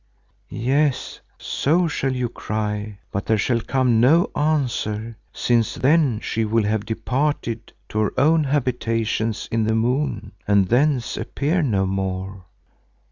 "Yes, so shall you cry but there shall come no answer, since then she will have departed to her own habitations in the moon and thence appear no more.